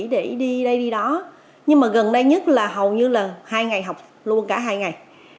để đi đây đi đó nhưng mà gần đây nhất là hầu như là hai ngày học luôn cả hai ngày